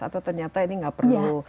atau ternyata ini nggak perlu